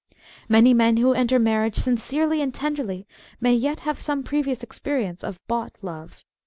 Many men who enter marriage sincerely and tenderly may yet have some previous experience of bought " love."